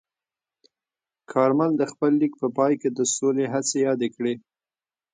کارمل د خپل لیک په پای کې د سولې هڅې یادې کړې.